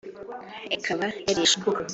ikaba yarishwe